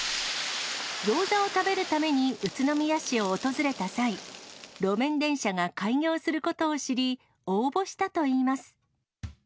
ギョーザを食べるために、宇都宮市を訪れた際、路面電車が開業することを知り、応募したといいます。